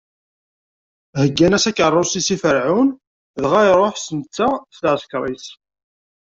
Heggan-as akeṛṛus-is i Ferɛun, dɣa iṛuḥ, s netta, s lɛeskeṛ-is.